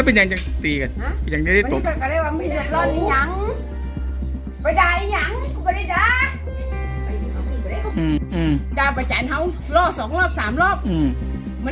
ป้าถ้าท่านหรือยังมีทุกคนต้องการทหาร